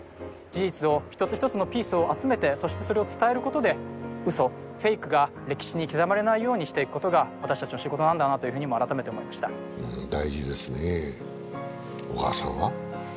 事実を一つ一つのピースを集めてそしてそれを伝えることで嘘フェイクが歴史に刻まれないようにしていくことが私たちの仕事なんだなというふうに今改めて思いましたうん大事ですね小川さんは？